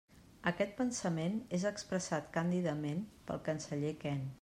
Aquest pensament és expressat càndidament pel canceller Kent.